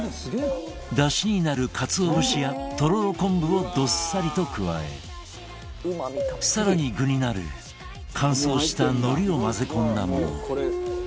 だしになるカツオ節やとろろ昆布をどっさり加え更に、具になる乾燥したのりを混ぜ込んだもの。